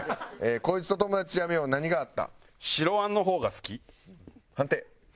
「こいつと友達やめよう何があった？」